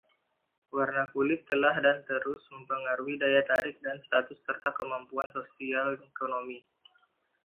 Warna kulit telah dan terus mempengaruhi daya tarik dan status serta kemampuan sosial ekonomi.